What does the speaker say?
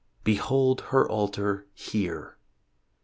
Behold her altar here!